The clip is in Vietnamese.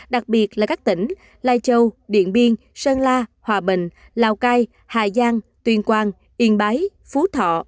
đặc biệt là các tỉnh lai châu điện biên sơn la hòa bình lào cai hà giang tuyên quang yên bái phú thọ